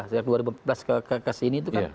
sejak dua ribu empat belas ke sini